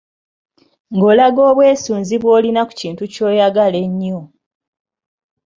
Ng’olaga obwesunzi bw’olina ku kintu ky’oyagala ennyo.